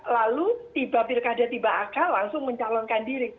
lalu tiba tiba akal langsung mencalonkan diri